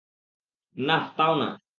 নাহ, তাও না।